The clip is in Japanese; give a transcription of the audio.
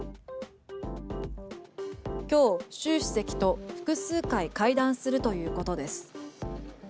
今日、習主席と複数回会談するということです。